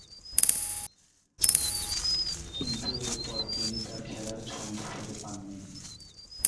কিন্তু এরপর তিনি তার খেলার ছন্দ ফিরে পাননি।